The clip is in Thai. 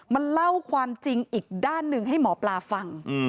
มันเล่าความจริงอีกด้านหนึ่งให้หมอปลาฟัง